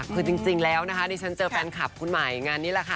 คือจริงแล้วนะคะดิฉันเจอแฟนคลับคุณใหม่งานนี้แหละค่ะ